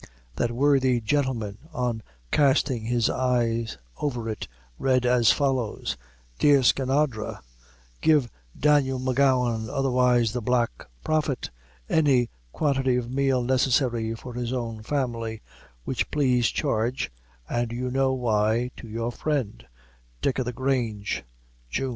That worthy gentleman, on casting his eye over it, read as follows: "Dear Skinadre: Give Daniel M'Gowan, otherwise the Black Prophet, any quantity of meal necessary for his own family, which please charge, (and you know why,) to your friend, "Dick o' the Grange, Jun."